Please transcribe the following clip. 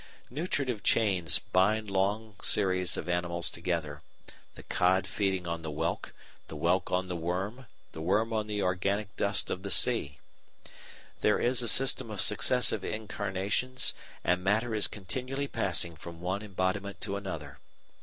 Nutritive chains bind long series of animals together, the cod feeding on the whelk, the whelk on the worm, the worm on the organic dust of the sea. There is a system of successive incarnations and matter is continually passing from one embodiment to another.